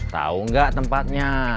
tau gak tempatnya